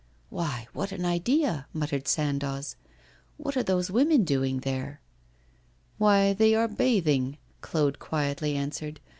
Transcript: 'Why, what an idea!' muttered Sandoz. 'What are those women doing there?' 'Why, they are bathing,' Claude quietly answered.